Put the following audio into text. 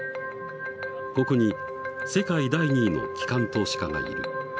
ここに世界第２位の機関投資家がいる。